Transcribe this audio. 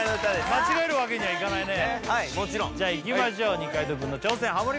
間違えるわけにはいかないねはいもちろんいきましょう二階堂くんの挑戦ハモリ